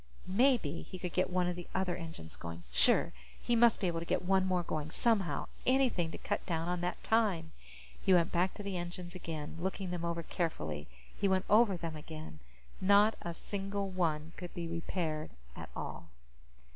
Maybe he could get one of the other engines going! Sure. He must be able to get one more going, somehow. Anything to cut down on that time! He went back to the engines again, looking them over carefully. He went over them again. Not a single one could be repaired at all.